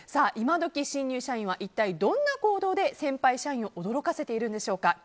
イマドキ新入社員は一体どんな行動で先輩社員を驚かせているんでしょうか。